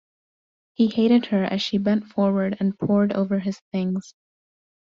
He hated her as she bent forward and pored over his things.